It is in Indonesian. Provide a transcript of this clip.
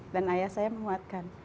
dan ayah saya menguatkan